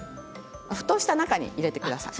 沸騰した中に入れてください。